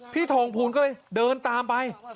พี่ทองภูลก็เลยเดินตามไป